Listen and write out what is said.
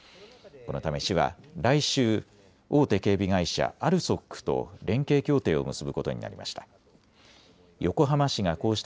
このため市は来週、大手警備会社、ＡＬＳＯＫと連携協定を結ぶことになりました。